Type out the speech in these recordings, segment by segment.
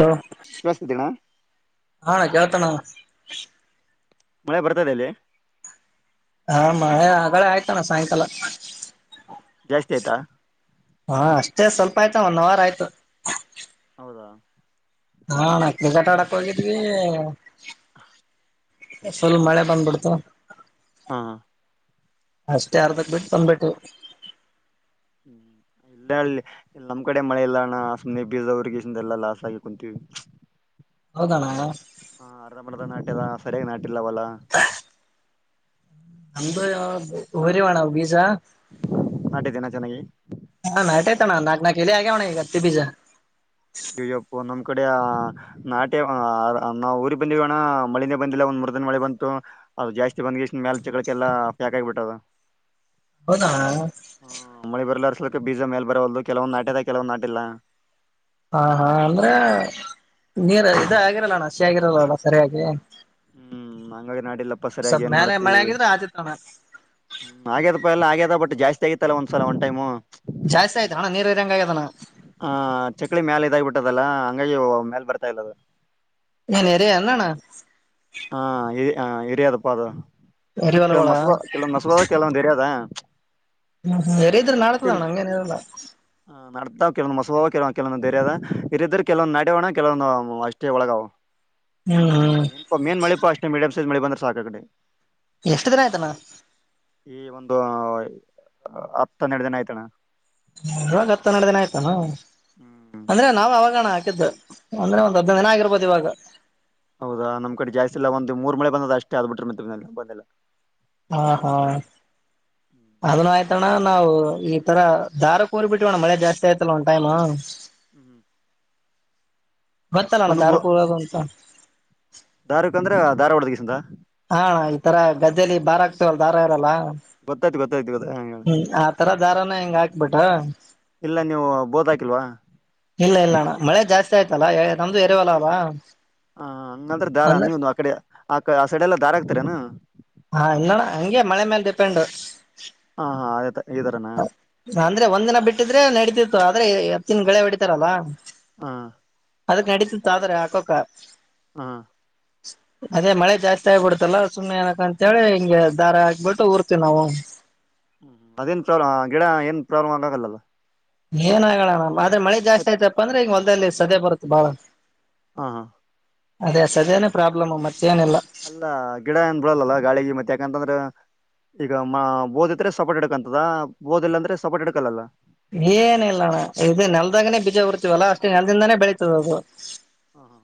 Hello ಕೇಳಿಸ್ತಿದೆಣ್ಣ ಆ ಅಣ್ಣ ಕೇಳುತ್ತಣ ಮಳೆ ಬರ್ತದೆ ಅಲ್ಲಿ ಹಾ ಮಳೆ ಆಗಳೇ ಆಯ್ತಣ ಸಾಯಿನ್ಕಾಲ ಜಾಸ್ತಿ ಆಯ್ತಾ ಹಾ ಅಷ್ಟೇ ಸ್ವಲ್ಪ ಆಯ್ತು ಒನ್ ಅವರ್ ಆಯ್ತು ಹೌದಾ ಹಾ ನಕ್ಲಿ ಜಟಾ ಆಡಕ್ ಹೋಗಿದ್ವಿ ಫುಲ್ ಮಳೆ ಬಂದ್ಬಿಡ್ತು ಹಾ ಅಷ್ಟೇ ಅರ್ದಕ್ ಬಿಟ್ ಬಂದ್ ಬಿಟ್ವಿ [unintelligible] ನಮ್ಮ್ ಕಡೆ ಮಳೆ ಇಲ್ಲಣ ಸುಮ್ನೆ ಬೀಜವುರ್ಗೀ ಎಲ್ಲಾ ಲಾಸ್ ಆಗಿ ಕುಂತೀವಿ ಹೌದಾಣ ಹಾ ಅರ್ಧ ಬರ್ದ ನಾಟ್ಯಾದ ಸರ್ಯಾಗಿ ನಾಟ್ ಇಲ್ಲ ವೊಲ ನಮ್ದೂ [unintelligible] ಊರಿವಣ ಬೀಜ ನಾಟಿದ್ದೇನ ಚೆನ್ನಾಗಿ ತಣ ನಾಕ್ ನಾಕ್ ಎಲಿ ಆಗ್ಯಾವ್ ಅಣ್ಣ ಈಗ ಅತ್ತಿ ಬೀಜ ಅಯ್ಯಪ್ಪೋ ನಮ್ದ್ ಕಡೆ ಆಹ್ ನಾಟೆ ನಾವು ಊರಿಗ್ ಬಂದಿವ್ ಅಣ ಮಳಿನೆ ಬಂದಿಲ್ಲ, ಒಂದ್ ಮುರ್ದಿನ ಮಳಿ ಬಂತು ಅದು ಜಾಸ್ತಿ ಬಂದ್ ಎಷ್ಟ್ ಮೇಲ್ ಚಕ್ಳಕೆಲ್ಲ ಫ್ಯಾಕ್ ಆಗಿಬಿಟ್ಟದ ಹೌದಾ ಹ್ಮ್ ಮಳಿ ಬರಿಲ್ ಅರ್ಸಲ್ಕ್ಕೆ ಬೀಜ ಮೇಲ್ ಬರವಲ್ದು ಕೆಲವೊಂದ್ ನಾಟ್ಯವ್ವೆ ಕೆಲವೊಂದ್ ನಾಟಿಲ್ಲ ಹಾ ಹಾ ಅಂದ್ರೆ ನೀರ ಇದು ಆಗಿರಲ್ಲಣಾ ಅಸಿ ಆಗಿರಲ್ಲ ಅದು ಹ್ಮ್ ಹಂಗಾಗ್ ನಾಟಿಲ್ಲಪ್ಪ ಸರ್ಯಾಗಿ ಸ್ವಲ್ಪ ಏನ್ ಮೇಲೆ ಮಾಡ್ತಿ ಮಳೆ ಆಗಿದ್ರೆ ಆತಿತ್ತಣ ಹ್ಮ್ ಹಾಗ್ಯದಪ್ಪ ಎಲ್ಲ ಹಾಗ ಬಟ್ ಜಾಸ್ತಿ ಆಗಿತ್ ಅಲ ಒಂದ್ಸಲ ಒನ್ ಟೈಮು ಜಾಸ್ತಿ [inaudible] ಹಾ ಚಕ್ಳಿ ಮ್ಯಾಲ ಇದಾಗ್ಬಿಟ್ಟು ದಲ್ಲ ಹಂಗಾಗಿ ಮೇಲ್ ಬರ್ತಾ ಇಲ್ಲದು ನ್ರ ಅನ್ನಣ್ಣ. [inaudible] ಹಾ ಇರಿಯದಪ್ಪ ಅದು. ಎರಿ ಕೆಲವಂದ್ ಹೊಲಗಳ ಮಸಬ ಕೆಲೊಂದ್ ಮಸಬದ ಕೆಲವೊ ಧರ ಅದ. ಹ್ಮ ಸೆರಿ ಇದ್ರೆ ನಾಡತದಾನ ಅಂಗನಲ್ಲ. ಕೆಲವೊಂದು ಮಸಭಾವವು ಕೆಲ ಕೆವೊಂದು ಧರ್ಯದ ಇರಿದ್ರ ಕೆಲವೊಂದು ನಡೋಣ ಕೆಲೊಂದು ಅಷ್ಟೇ ಒಳಗಾವವು. ಹ್ಮ್ ಹ್ಮ್ ಮನ್ [inaudible] ಮೇನ್ ಮೆಾಷ್ಟೇ [inaudible] ಮಳಿ ಬಂದ್ರ ಸಾಖ ಕಡೆ. ಎಷ್ಟು ದಿನ ಆಯ್ತನಾ. ಈ ಒಂದು ಹತ್ತ ಹನ್ನೆರಡು ದಿನ ಆಯ್ತಣ. ಇವಾಗ ಹತ್ತು ನರಡು ದಿನ ಆಯ್ತಾನ. ಹ್ಮ್ ಅಂದ್ರೆ ನಾವ ಅವಾಗಣ ಆ. ಅಂದ್ರೆ ಒಂದ್ ಹದ್ನ ದಿನ ಆಗಿರ್ಬೋದು ಇವಾಗ. ಹೌದಾ ನಮ್ ಕಡೆ ಜಾಸ್ತಿ ಇಲ್ಲ ಒಂದು ಮೂರ್ ಮಳೆ ಬಂದದ ಅಷ್ಟೇ ಆದ್ಬ ಬಿಟ್ರೆ ಮ ಬಂದಿಲ್ಲ. ಹಾ ಹಾ ಹ ನ. ತಣ ನಾವು ಈ ತರ ದಾರ ಕೂರಿ ಬಿಟ್ಟವಣ್ಣ ಮಳೆ ಜಾಸ್ತಿ ಆಯ್ತಲ್ಲ ಒಂದ್ ಟೈಮ್. ಹ್ಮ್ ಗತ್ತಲ್ಲಣ ಒಂದು ಧಾರಕುಾಗ ಅಂತ. ಹ. [inaudible] ಹಾ ಈ ತರ ಗದ್ದಲಿ ಭಾರ ಆಗ್ತವಲ್ಲ ದಾರ ಇರಲ್ಲ. ಗೊತ್ತಾಯ್ತ ಗೊ. [inaudible] ಆ ಹ್ಮ್ ಆ ತರ ದಾರಾನ ಹೆಂಗ ಹಾಕ್ಬಿಟ ಇಲ್ಲ ನೀವು ಬೋತ್ ಹಾಕಿಲ್ವಾ ಇಲ್ಲ ಇಲ್ಲ ಅಣ್ಣ ಮಳೆ ಜಾಸ್ತಿ ಆಯ್ತಲ್ಲಾ. ನಮ್ದು ಎರರೆವಲ್ಲ ಅಲ್ಲ ಹ ಹಂಗಂದ್ರೆ ದಾರ ಅಂದ್ರೆ ನೀ ಆ ಕಡೆ ಆ ಆ ಸೈಡೆ ಎಲ್ಲಾ ದಾರ ಆಗ್ತೀರನು. ಹಾ ಇನ್ನಳ ಹಂಗೆ ಮಳೆ ಮೇಲ್ ಡಿಪೆಂಡ್. ಹಾ ಹಾ ಆಯ್ತ. ಅಂದ್ರೆ ಒಂದ್ಿನ ಬಿಟ್ಟಿದ್ರೆ ನಡತ ಆದ್ರೆ ಎರ್ತ್ತಿನ ಳೆ ಹೊಡಿತಾರಲ್ಲಾ. ಹಾ. ಅದಕ್ ನಡೀಿತತ್ ಆದ್ರೆ ಹಾಕಕ. ಹಾ. ಅದೇ ಮಳೆ ಜಾಸ್ತಿ ಆಗ್ಬಿಡ್ತಲ್ಲ ಸುಮ್ನೆ ಏನಕ ಅಂತ ಹೇಳಿ ಹಿಂಗೆ ದಾರ ಹಾಕ್ಬಿಟ್ಟು ಊರ್ತಿವಿ ನಾವು. ಹ್ಮ್ ಅದೇನ್ ಪ್ರಾಬ್ಲಮ್ ಗಿಡ ಏನ್ ಪ್ರಾಬ್ಲಮ್ ಆಗ ಆಲ್ಲಲ್ಲ. ಏನ್ ಆಗಣ ಮ. ಅ್ರಳ ಜಾಸ್ತಯತ ಅಂದ್ರೆಗ. ಸದ್ಯ ಬರುತ್ತೆ ಬಾಳ ಹಾ ಹಾ ಅದೇ ಸದ್ಯನೇ ಪ್ರಾಬ್ಲಮ್ ಮತ್ತೆ ಅಲ್ಲಾ ಗಿಡ ಏನ್ ಬಿಡಲ್ಲಲ್ಲ ಗಾಳಿಗೆ ಮತ್ತೆ ಅತಂದ್ರೆ ಈಗ ಓದಿದ್ರೆ ಸಪರ್ಟ್ ಹಡಕಂತದ ಓದಿಲ್ಲ ಅಂದ್ರೆ ಸಪೋಟ್ ಹಿಡಕೋಲ್ಲ ಏನ ಇಲ್ಲಣ್ಣ ಇ ನೆಲ್ದಾಗನೇ ಬೀಜ ಉರ್ತವಲ್ಲಾ ಅಷ್ಟೇ ನೆಲದಿಂದಾನೇ ಬೆಳೀತದ ಅದು ಹ್ಮ ಹ್ಮ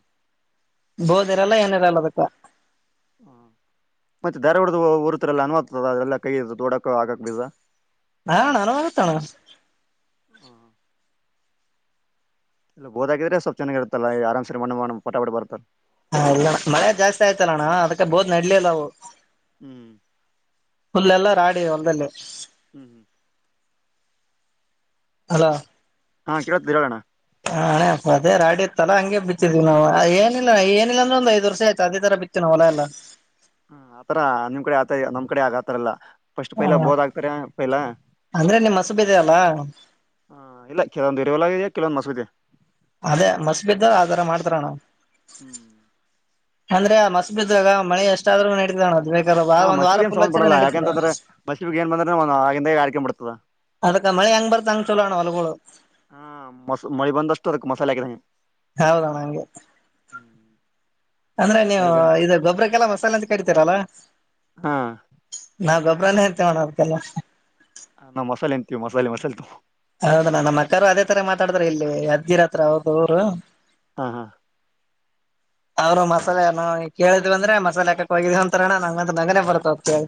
ಬೋದಿರಲ್ಲ ಏನಿಾರಲ್ಲ ಅದಕ್ಕ ಹ್ಮ ಮತ್ತೆ ಧರೆ ಹಡ್ದು ಊರ್ತರೆಲ್ಲ ಅನುಆಗತದ ಅದೆಲ್ಲ ಕೈ ಇ ಹಾಡಕ ಆಗಕ್ ಬಿಜಾ ಹಾಣ ನಾನ ಆಗುತ್ತಣ್ಣ ಹ್ಮ ಇಲ್ಲ ಬೋದಾಗಿದ್ರೆ ಸ್ವಲ್ ಚನ್ನಾಗಿರುತ್ತಲ್ಲ ಆರಾಮ್ಸರಿ ಮಣ್ಣ ಪಟಪಟಿ ಬರ್ತಲ್ಲ ಹಾ ಇಲ್ಲಣ ಮಳೆ ಜಾಸ್ತಿ ಆಯ್ತಲ್ಲಣ್ಣ ಅದಕ್ಕೆ ಬೋದ್ ನಡ್ಲಿಲ್ಲಲ್ಲಾವು ಹ್ಮ್ ಪುಲ್ಲೆಲ್ಲ ರಾಡಿ ಒಂದಲ್ಲಿ ಹ್ಮ್ ಹ್ಮ್ ಅಲಾ ಹಾ ಕೇಳತ್ತ ಹೇಳ ಹೇಳೋಣ ಹ ಹೂ ಅದೇ ರಾಡಿ ಇತ್ತಲ್ಲಾ ಹಂಗೆ ಬಿತ್ತಿದ್ವಿ ನಾವು ಏನಿಲ್ಲ ಏನಿಲ್ಲ ಅಂದ್ರ ಒಂದ್ ದ್ ವರ್ಷ ಆಯತ ಅದೇ ತರ ಬಿತ್ತಿವಿವು ಹೊಲ ಎಲ್ಲ ಹ ಆತರ ನಿಮ್ ಕಡೆ ಆತ ನಮ್ ಕಡೆ ಆಗ ಆತರಲ್ಲ ಫಸ್ಟ್ ಹ ಪೈಲ ಬೋದ್ ಆಗ್ತಾರೆ ಪೈಲ ಅಂದ್ರೆ ನಿಮ್ ಮಸಬಿದೆ ಅಲ್ಲ ಹ ಇಲ್ಲ ಕೆ ಹೋಲ ಕಲವಂದು ಮಸಗದೆ ಅದೇ ಮಸ್ ಬಿದ್ದ ಅದಾರ ಮಾಡ್ತಾರ ಅಣ್ಣಾ ಹ್ಮ್ ಅಂದ್ರೆ ಮಸ್ ಬಿದಾಗ ಮಳೆ ಎಷ್ಟಾದ್ರು ನಡತೋಣೋದಣ್ಣ ಬೇಕ ಹಾ ಮೂಸಿಮಗ ಎನ್ ಸಂಬಂಪಡಲ್ಲ ಯಾಕೆಂತಂದ್ರೆ ಮಸಿಗೆ ನ್ ಬಂದ್ರ ಅವಾಗಿಂದ ಅವಾಗ ಬರ್ತದ ಅಗ ಮಳೆ ಹೆಂಗ್ ಬರ್ತ ಹಂಗ್ ಚಲೋಣ ಹೊಲಗಳು ಹಾ ಮಸ್ ಮಳಿ ಬಂದಷ್ಟು ಅದಕ್ ಮಸಾಲೆ ಹಾಕಿದ ಹೌದಾಣಂಗೆ ಹ್ಮ್ ಅಂದ್ರೆ ನೀವು ಇದು ಗೊಬ್ಬ್ರಕ್ಕೆಲ್ಲ ಮಸಾಲೆ ಅಂತ ಕಡಿತೀರಲ್ಲ ಹಾ ನಾವ ಗೊಬ್ಬರ ತ ಗೋಬ್ರ್ಬನೆ ಅಂತೀವಿ ಅಣ್ಣ ಅದುಕೆಲ್ಲ ಹ ಅನಾ ಮಸಾಲೆ ಅಂತೀವಿ ಮಸಾಲೆ ಮಸಾಲೆ ತ ಹೌದ ನ ನಮ್ಮ ಅಕ್ಕರು ಅದೇ ತರ ಮಾತಾಡತಾರ ಇಲ್ಲಿ ಅಜ್ಗಿರ ಹತ್ರ ಅವರದು ಊರು ಹಾ ಹ ಅವರು ಮಸಾಲೆ ಕೇಳಿದ್ ಬಂದ್ರೆ ಮಸಾಲೆ ಹಾಕಕ್ ಹೋಗಿದೀ ಅಂತರಣ ನಂಗಂತ ನಗುನೇ ಬರ್ತಾವ ಕೇಳಿ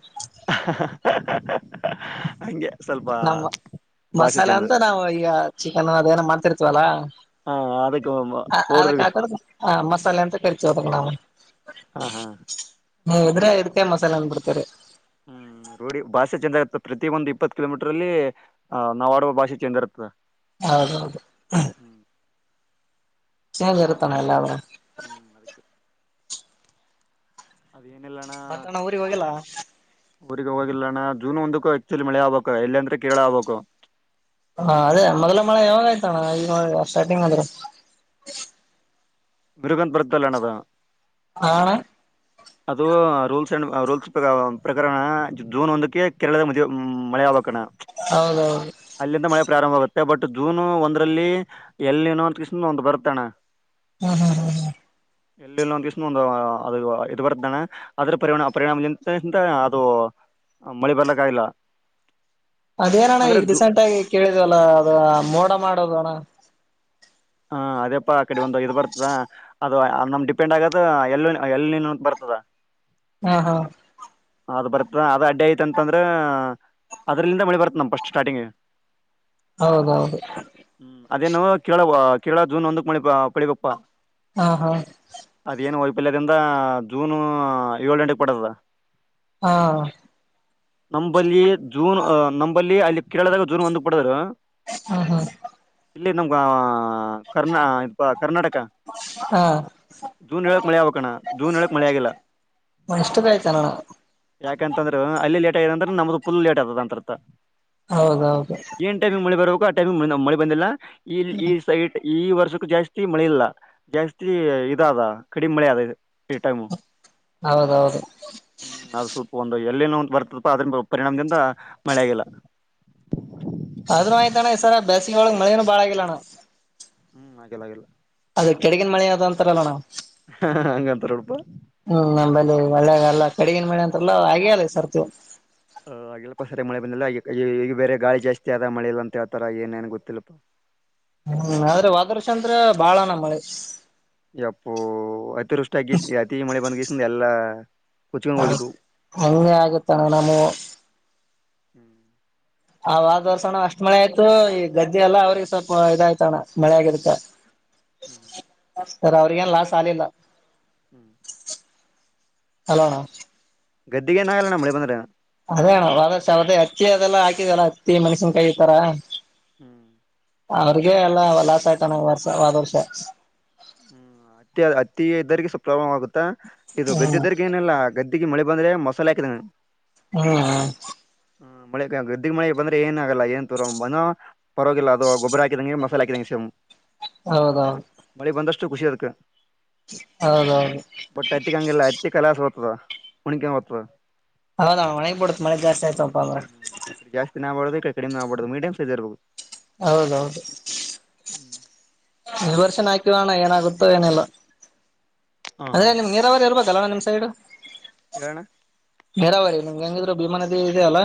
ಹೆಂಗೆ ಸ್ವಲ್ಪ ನಮ್ಮ ಬ ಮಸಾಲೆ ಅಂತ ನಾವು ಈಗ ಚಿಕನ್ ಅದ ಏನ ಮಾಡ್ತಿರ್ತೀವಲ್ಲ ಹ ಅದಕ್ಕೆ ಪೌಡ್ರ ಅದಕ್ ಹಾಕ ಹ ಮಸಾಲೆ ಅಂತ ಕರಿತೀವಿ ಅದಕ್ ನಾವು ಹಾ ಹಾ ಹ್ಮ ಇದ್ರೆ ಇಡ್ಕ ಮಸಾಲೆ ಅಂದ ಬಿಡ್ತರಿ ಹ್ಮ್ ರೋಢಿ ಭಾಷೆ ಚೇಂದ್ ಇರ್ತದೆ ಪ್ರತಿಯ ಒಂದು ಇಪ್ಪತ್ ಕಿಲೋಮೀಟರ್ ಅಲ್ಲಿ ನಾ ಆಡುವ ಭಾಷೆ ಚೇಂಜ್ ಇರ್ತದ ಹೌದ ಹೌದು ಚೇಂಜ್ ಇರುತಾನೆ ಎಲ್ಲ ಅವ ಹ್ಮ್ ಅದಕ್ಕೆ. ಅದೇನಿಲ್ಲಣ್ಣ ಮತ್ತಣ ಊರಿಗೆ ಹೋಗಲ್ಲ. ಊರಿಗೆ ಹೋಗಿಲ್ಲಣ್ಣ ಜೂನ್ ಒಂದಕ್ಕೂ ಎಕ್ಚಲಿ ಮಳೆ ಆಗ್ಬೇಕು ಎಲ್ಲ ಅಂದ್ರೆ ಕೀಳ ಆಗ್ಬೇಕು. ಹಾ ಅದೇ ಮೊದಲ ಮಳೆ ಯಾವಾಗಾಯ್ತಣ್ಣ ಈ. ಹೌ ಸ್ಟಾರ್ಟಿಂಗ್ ಅ್ರೆ. ಮೃಗಂದ ಬರ್ದಲ್ಲನದಾ. ಹ ಅಣ್ಣ. ಅದು ರೂಲ್ಸ್ ಅಂಡ್ ರೂಲ್ಸ್ ಪ್ರಕರಣ ಜೂನ್ ಒಂದಕ್ಕೆ ಕೇರಳದ ಮದುವ ಮಳೆ ಆಬಣ. ಹೌದೌದು. ಪ್ರಾರಂಭ ಆಗುತ್ತೆ ಬಟ್ ಜೂನ್ ಒಂದ್ರಲ್ಲಿ ಎಲ್ಲಿ ನೋ ಒಂತ ಕಿಸ ಒಂದ್ ಬರ್ತ್ತಣ. ಹ್ಮ್ ಹ್ಮ್ ಹ್ಮ್ ಎಲ್ಲಿಲ್ಲ ಒಂದಸ ಒಂದು ಅದು ಇದು ಬರ್್ದಾನೆ ಆದ್ರ ಪರಿ ಪರಿಣಾಮದಿಂದಂತ ಅದು ಮಳೆ ಬರ್ಲಕ್ಕ ಇಲ್ಲ ಅದೇನಣ ಈಗ ರಡಿಸೆಂಟ್ ಆಗಿ ಕೇಳಿದಲ್ಲ ಅದ ಮೋಡ ಮಾಡ. ಎ ಅಣ್ಣ. ಹಾ ಅದೇಪ್ಪಾ ಆ ಕಡೆ ಒಂದು ಇದು ಬರ್ತದ ಅದು ನಮ್ ಡಿಪೆಂಡ್ ಆಗದು ಎಲ್ಲಿ ಎಲ್ಲಿ ಬರ್ತದ. ಹಾ ಹಾ. ಅದ್ ಬರತ್ತ ಅದ ಅಡ್ಡಿ ಐತ ಅಂತಂದ್ರ ಅದ್ರಲಂದ ಮಳಿ ಬರ್ತ್ ನಮ ಫಸ್ಟ್ ಸ್ಟಾರ್ಟಿಂಗ್. ಹೌದೌದು. ಅದೇನು ಕೇಳಳ ಕಳ ಜೂನ್ ಒಂದ ಮಿಪ ಪಳಿಬಪ್ಪಾ. ಹಾ ಹಾ. ಪಲ್ಯದಿಂದ ಜೂನ್ ಏಳ ಎಂಟಕ್ ಪಡೆತದ ಹಾ. ನಂಬಲ್ಲಿ ಜೂನ್ ಅ ನಂಬಲ್ಲಿ ಅಲ್ಲಿ ಕೇಳದಾಗ ಜೂನ್ ಒಂದು ಪಡದ್ರ. ಹಾ ಹಾ. ಇಲ್ಲೇ ನಮ್ಗೆ. ಕರ್ನಾ ಇ ಕರ್ನಾಟಕ ಹಾ ಜೂನ್ ಹೇಳಳಕ್ ಮಳೆ ಆಗ್ಕಣ ಜೂನ್ ಹೇಳಳಕ್ ಮಳೆ ಆಗಿಲ್ಲ. ಇಷ್ಟು ಬೆಳಿತಾನ ಯಾಕಂತಂದ್ರೆ ಅಲ್ಲಿ ಲೇಟ್ ಆಗದ ಅ್ರ ನಮ್ದು ಪುಲ್ ಲೇಟ್ ಆತದ ಅಂತ. ಹೌದೌದು. ಕ್ಕೋ ಆ ಟೈಮಿಗ್ ಮ ನಮ್ ಮಳೆ ಬಂದಿಲ್ಲ. ಇಲ್ ಈ ಸೈಟ್. ಈ ವರ್ಷಕ್ಕೂ ಜಾಸ್ತಿ ಮಳೆ ಇಲ್ಲ ಜಾಸ್ತಿ ಇದಾದ ಕಡಿಮೆ ಮಳೆ ಅದ ಈ ಟೈಮು. ಹೌದೌದು. ಹ್ಮ್ ಅದು ಸ್ವಲ್ಪ ಒಂದು ಎಲ್ಲಿನವ್ ಅಂತ್ ಬರ್ತದ್ಪಾ ಅದ್ರಿಂದು ಪರಿಣಾಮದಿಂದ ಮಳೆ ಆಗಿಲ್ಲ. ಅದ್ರ ಆಯ್ತನ ಈ ಸಲ ಬೇಸಿಗೆ ಒಳಗ್ ಮಳೇನು ಬಾಳ ಆಗಿಲ್ಲಣ. ಹ್ಮ್ ಆಗಿಲ್ಲ ಆಗಿಲ್ಲ. ಅದು ಕೆಡಗಿನ ಮಳೆ ಅದು ಅಂತಾರಲ್ಲಣ. ಹ್ಹಾ ಹಂಗಂತಾರ್ [unintelligible] ಇದು ಒಳ್ಳೆಗಲ್ಲ ಕಡಿಗಿನ ಮಳೆ ಅಂತಾರಲ್ಲ ಆಗೆ ಇಲ್ಲ ಈ ಸರ್ತಿ. ಹಾ ಆಗಿಲ್ಲಪ್ಪ ಅದೆ ಮಳೆ ಬಂದಿಲ್ಲ ಈಗ್ ಈ ಈ ಈಗ ಬೇರೆ ಗಾಳಿ ಜಾಸ್ತಿ ಆದ ಮಳೆ ಇಲ್ಲ ಅಂತ್ ಹೇಳ್ತರ ಏನ್ ಏನ್ ಗೊತ್ತಿಲ್ಲಲ್ಪ. ಹ್ಮ್ ಆದ್ರೆ ವಾದರ್ಷ ಅಂದ್ರೆ ಬಾಳನ ಮಳೆ. ಯಪ್ಪೋ. ತೃಷ್ಟ ಗಿಷ್ಟಿ ಅತೀ ಮಳೆ ಬಂದ್ಗಿಸ್ ಎಲ್ಲಾ ಕೊಚ್ಕೊಂಡ್ ಹಾದ್ ಹೋಗಿದ್ವು ಹಂಗೆ ಆಗುತ್ತಣ ನಮವ್ [unintelligible] ಆ ವಾದರ್ಸಣು ಅಷ್ಟ್ ಮಳೆ ಆಯ್ತು ಈ ಗದ್ದೆ ಎಲ್ಲ ಅವ್ರಿಗ್ ಸ್ವಲ್ಪ ಇದಾಯ್ತಣ್ಣ ಮಳೆ ಆಗಿದುಕ್ಕ [unintelligible] ಸರ್ ಅವ್ರಿಗೆ ಲಾಸ್ ಆಲಿಲ್ಲ [inaudible] ಅಲಣ ಗದ್ದಿಗೇನಾಗಲ್ಲ ಅಣ್ಣ ಮಳೆ ಬಂದ್ರ ಅದೇ ಅಣ ಹೋದ ವರ್ಷ ಅವ್ರ್ದೇ ಅಕ್ಕಿ ಅದೆಲ್ಲ ಹಾಕಿದ್ಯಲ ಹತ್ತಿ ಮೆಣಸಿನ್ ಕಾಯಿ ಇತರಾ [inaudible] ಅವ್ರಿಗೆ ಎಲ್ಲ ಲಾಸ್ ಆಯ್ತನ ವರ್ಷ ಹ್ವಾದ್ ವರ್ಷ ಹ್ಮ್ ಅತ್ತಿಯಾ ಅತ್ತಿ ಇದ್ದವ್ರಿಗ್ ಸ್ವಲ್ಪ ಪ್ರಾಬ್ಲಮ ಆಗುತ್ತ ಇದು ಹ್ಮ್ ಗದ್ದೆದರ್ರಿಗೆ ಏನಿಲ್ಲ ಗದ್ ಟ್ಟಿಗೆ ಮಳೆ ಬಂದ್ರೆ ಮಸಾಲೆ ಹಾಕಿದ್ನ ಹ್ಮ್ ಹ್ಮ್ ಹಾ ಮಳೆಗ ಗದ್ದಿಗ್ ಮಳೆ ಬಂದ್ರೆ ಏನಾ ಗಲ್ಲ ಏನ್ ತರ ಮನೂ ಪರವಾಗಿಲ್ಲ ಅದು ಗೊಬರ ಹಾಕಿದಂಗೆ ಮ [unintelligible] ಹೌದೌದ್ ದೇ ಬಂದಷ್ ಟು ಖುಷಿ ಅದಕ್ಕ ಹೌದೌದು ಬಟ್ ಹತ್ತಿ ಹಂಗಿಲ್ಲ ಹತ್ತಿ ಕಲರ್ [unintelligible] ಹೌದಣ ವಣಿಗಿ ಬಿಡತಾವ ಮಳೆ ಜಾಸ್ತಿ ಆಯ್ತಪ್ಪ ಅಂದ್ರ ಈ ಕಡೆ ಜಾಸ್ತಿನ ಆಗ್ಬಾರ್ದು ಈ ಕಡೆ ಕಡಿಮೆ ಆಬಾಡು ಮೀಡಿಯಂ ಸೈಜ್ ಇರ್ ಹೌದೌದು ಈ ವರ್ಶನು ಹಾಕಿವಣ ಏನಾಗುತ್ತೋ ಏನಿಲ್ಲ ಹಾ ಅದೇ ಹಾ ನಿಮ್ ನೀರಾವರಿ ಎಲ್ಲಿ ಬರ್ತ ಕಲವ ನಮ ಸೈಡು ಹೇಳಣ್ಣ ನೀರಾವರಿ ನಿಮ್ಗೆ ಹೆಂಗಿದ್ರು ಭೀಮಾ ನದಿ ಇದೆಯ ಅಲ್ಲಾ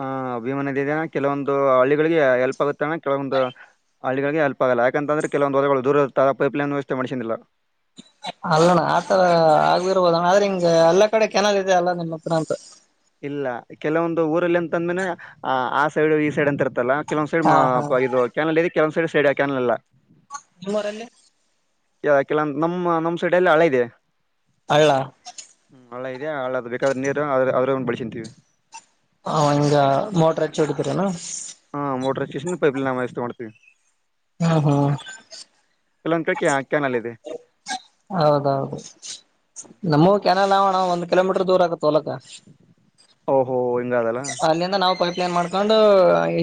ಹಾ ಭೀಮಾ ನದಿ ಇದೆ ಕೆಲವೊಂದು ಹಳ್ಳಿಗಳಿಗೆ ಹೆಲ್ಪ್ ಆಗುತ್ ತಣಾ ಕೆಳಗೊಂದು ಹಳ್ಳಿಗಳಿಗೆ ಹೆಲ್ಪ್ ಆಗಲ್ಲ ಯಾಕೆಂತಂದ್ರೆ ಕೆಲವೊ ಹೊಲಗಳು ದೂರಿರತ್ತ ಪೈಪ್ಲೈನ್ ವ್ಯವಸ್ಥೆ ಮಾಡಸನಿಲ್ಲ ಅಲ್ಲಣ್ಣ ಆತರ ಆಗ್ದರ್ಬೋದ ಅಣ್ಣ ಆದ್ರೆ ಹಿಂಗ ಎಲ್ಲ ಕಡೆ ಕೆನಲ್ ಇದೆ ಅಲ್ಲ ನಿಮ್ಮ ಹತ್ರ ಅಂತ ಇಲ್ಲ ಕೆಲವೊಂದು ಊರಲ್ಲಿ ಅಂತ ಅಂದ್ಮೇನೆ ಆ ಆ ಸೈಡ್ ಈ ಸೈಡ್ ಅಂತ ಇರ್ತಲ್ಲ ಕೆಲವೊಂದು ಹಾ ಹಾ ಸೈಡ್ ಇದು ಕ್ಯಾನಲ್ ಕೆಲಂದ್ ಸೈಡ್ ಸೈಡ್ ಹಾಕಲ್ಲ ನಿಮೂರಲ್ಲಿ ಕೆಲವ ನಮ್ಮ ನಮ್ಮ್ ಸಡ ಎಲ್ಲ ಹಳೆ ಇದೆ ಅಳ್ಳ ಹಳ್ಳ ಇದೆ ಹಳ್ಳ ಅದು ಬೇಕಾದ್ರೆ ನೀರು ಅದ್ರ ಒಂದು ಬಳಸಂತೀವಿ ಹ ಹಿಂಗ ಮೋಟರ್ ಹಚ್ಚಿ ಹೊಡಿತರನಾ ಸ್ಟಷನ್ ಪೈಪ್ ನ ಎಷ್ಟ ಮಾಡ್ತೇವಿ [unintelligible] ಹಾ ಹಾ ಎಲೊ ಕಕ ಕನ್ಲ್ಲದೆ ಹೌದೌದು ನಮ್ಮೂ ಕೆನಲ್ಲಾ ಹ ಒಂದು ಕಿಲೋಮೀಟರ್ ದೂರ ಆಗತ್ತೆ ತಲಕ ಓಹೋ ಹಿಂಗಾದಲ್ಲ ಅಲ್ಲಿಂದ ನಾವು ಪೈಪ್ ಏನ್ ಮಾಡ್ಕೊಂಡು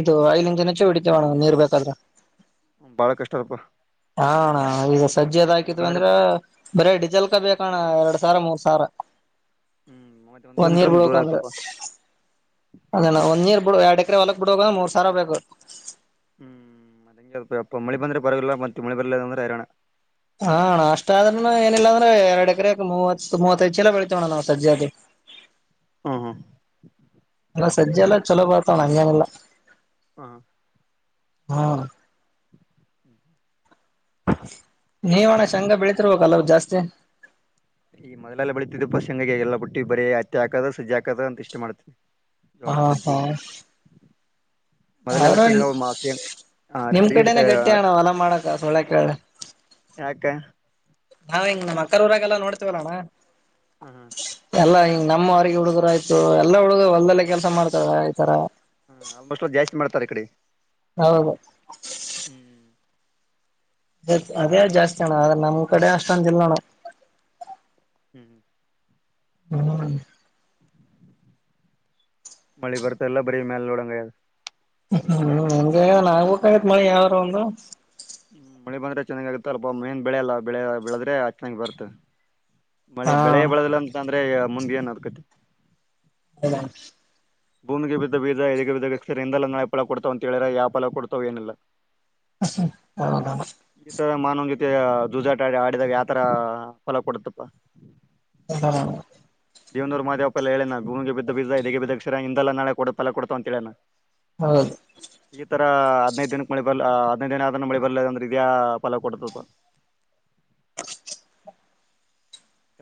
ಇದು ಐಲಿಿನ ಜಿನಚ್ಚೆ ಹಡಿತೇವಣ್ಣ ನೀರ್ ಬೇಕಾದ್ರೆ ಬಾಳ ಕಷ್ಟ ಅಪ ಹಾ ಸಜ್ಜೆ ಹಾಕಿದ್ರೆ ಬಂದ್ರೆ ಅಂದ್ರ ಬರೇ ಡೀಿಸೆಲ್ ಕ ಬೇಕಣ ಎರಡ್ ಸಾವಿರ ಮೂರ್ ಸಾವಿರ ಹ್ಮ್ ಮೂವತ್ತ ಒಂದ್ ಒಂದ ಕಿಲೋಮೀಟರ್ ಇರ್ ಅಂದ್ರ ಬಿಳಕ ದೂರ ಅಂದ್ರೆ ಆಗ್ತಪ್ಪ ಅದನ ಒಂದ ಇರ್ ಬಿಳಡ ್ರೆ ಹೊಲಕ್ ಬಿಡ ಹೋಗ ಮೂರ್ ಸಾವರ ಬೇಕು ಹ್ಮ್ ಅ ಅ ಅ ಮಳ ಬಂದ್ರೆ ಪರವಾಗಿಲ್ಲ ಮತ್ತ ಮಳಿ ಬರ್ಲಿಲ್ಲ ಅರವಣ ಹಾ ಅಷ್ಟಾದ್ರನು ಏನಿಲ್ಲ ಅಂದ್ರೆ ಎರಡ್ ಎಕರೆ ಮೂವತ್ ಮೂವತ್ತೈಐದ್ ಚಲ ಬೆಳತೇವಣ್ಣ ನಾವ್ ಸಜದ ಹ್ಮ ಹ್ಮ ನಲ್ಲ ಸಜೆ ಎಲ್ಲ ಚಲೋ ಬರ್ತಾವ್ ಅಣ್ಣ ಹಂಗೇನಿಲ್ಲ ಹಾ ಹ್ಮ ನೀವಣ ಶಂಗ ಬೆಳಿತಿರ್ಬೇಕಲ್ಲ ಜಾಸ್ತಿ ಈ ಮೊದಲೆಲ್ಲ ಬೆಳೀತಿದ್ದ ಪಸಂಗಗೆ ಎಲ್ಲ ಬ ಬಿಟ್ಟಿ ಬರೀ ಹತ್ತೆ ಹಾಕದ ಸಜ್ಜ ಹಾಕದ ಅಂತ ಇಷ್ಟ ಮಾಡ್ತಿ ಹ ಹಾ ಮೊದಲೆಲ್ಲ ಆದ್ರ ಶೇಂಗಾ ಶೇಂಗ ನಿಮ್ ಕಡೆನೆ ಗಟ್ಟಿ ಅಣ್ಣಾ ಹೊಲ ಮಾಡಕ ಸುಳ್ಳ ಯಾಕ್ ಹೇಳಿ ಯಾಕ ನಾವ್ ಹಿಂಗ್ ನಮ್ಮ್ ಅಕ್ಕರ ಊರಾಗೆಲ್ಲಾ ನೋಡ್ತವಲ್ಲಣ್ಣ ಹ್ಮ ಹ್ಮ ಎಲ್ಲಾ ಹಿಂಗ ನಮ್ಮ ವಾರಿಗೆ ಹುಡುಗರು ಆಯ್ತ ಎಲ್ಲ ಹುಡುಗರ ಹೊಲದಲ್ಲೇ ಕೆಲಸ ಮಾಡ್ತಾರ ಈ ತರ ತರ ಕಡೆ ಹೌದು ಹ್ಮ್ ಅದೇ ಜಾಸ್ತಿ ಅಣ್ಣ ಆದ್ರೆ ನಮ್ ಕಡೆ ಅಷ್ಟೊಂದಿಲ್ಲಣ ಹ್ಮ್ ಹ್ಮ್ ಹ್ಮ ಮಳಿ ಬರತಾ ಇಲ್ಲ ಬರೀ ಮೇಲ್ ನೋಡಂಗ ಆಗೇದ ಹ್ಮ್ ಅಂ [unintelligible] ಗೆ ಆಗೇದ ಅಣ್ಣಾ ಹಾಗಬೇಕ್ ಆಗಿತ್ತು ಮಳಿ ಯಾವದರ ಒಂದು ಹ್ಮ ಮಳೆ ಬಂದ್ರೆ ಚೆನ್ನಾಗ ಆಗತ್ತ ಅಲ್ಪ ಮೇನ್ ಬೆಳೆ ಅಲ್ಲಾ ಬೆಳೆ ಬೆಳೆದ್ರೆ ಚೆನ್ನಾಗಿ ಬರುತ್ತೆ ಮಳೆ ಹಾ ಬೆಳೆ ಬೆಳೆದಲ್ಲ ಅಂತ ಅಂದ್ರ ಅದೆ ಮುಂದ ಏನ್ ಅರಕತ್ [inaudible] ಭೂಮಿಗೆ ಬಿದ್ದ ಬೀಜ ಎದೆಗೆ ಬಿದ್ದ ಅಕ್ಷರ ಇಂದಲ್ ನಾಳೆ ಫಲ ಕೊಡ್ತವೆ ಅಂತ ಹೇಳೆರ ಯಾವ ಫಲ ಕೊಡ್ತಾವ ಏನಿಲ್ಲ ಹ್ಮ ಹೌದ ಹೌದಣ್ಣ ಈ ತರ ಮಾನವನ ಜೊತೆ ಜೂಜಾಟ ಆಡಿ ಆಡಿದಾಗ ಯಾವತರ ಫಲ ಕೊಡತ್ತಪ್ಪ ಹೌದನ್ನ ದೇವನೂರು ಮಾದೇವಪ್ಪ ಎಲ್ಲ ಹೇಳೇನ ಭೂಮಿಗೆ ಬಿದ್ದ ಬೀಜ ಎದೆಗೆ ಬಿದ್ದ ಅಕ್ಷರ ಹಿಂದಲ್ಲ ನಾಳೆ ಕೊಡ್ತವ ಅಂತ ಹೇಳೇನಾ ಹೌದು ಈ ತರ ಹದ್ನೈದ ದಿನಕ್ಕೆ ಮಳೆ ಬರ್ಲಿ ಹದಿನೈದ ದಿನ ಆದನ್ನ ಮಳಿ ಬರಲಿಲ್ಲ ಅಂದ್ರೆ ಇದು ಯಾ ಫಲ ಕೊಡ್ತದ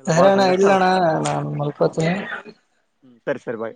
ಎಲ್ಲ ಸರಿ ಬಾಳ ಅಣ್ಣಾ ಸಂಕಷ್ಟ ಇಡ್ಲಿ ಅದ ಅಣ್ಣಾ ನಾನ್ ಮಲ್ಕೋತೀನಿ ಹ್ಮ ಸರಿ ಸರಿ ಬಾಯ್